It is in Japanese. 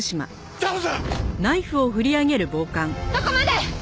そこまで！